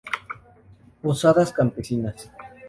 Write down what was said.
Posadas campesinas.